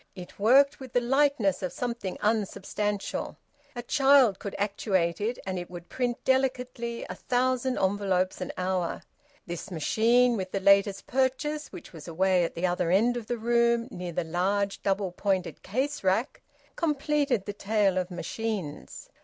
It worked with the lightness of something unsubstantial. A child could actuate it, and it would print delicately a thousand envelopes an hour. This machine, with the latest purchase, which was away at the other end of the room near the large double pointed case rack, completed the tale of machines.